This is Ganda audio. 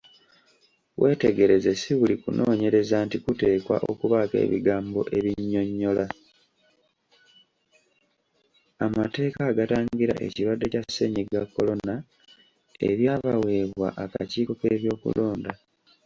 Amateeka agatangira ekirwadde kya ssennyiga korona ebyabaweebwa akakiiko k'ebyokulonda.